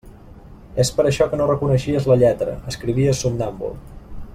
És per això que no reconeixies la lletra: escrivies somnàmbul.